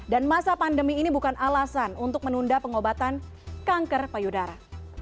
dan masa pandemi ini bukan alasan untuk menunda pengobatan kanker payudara